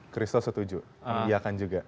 christo setuju dia akan juga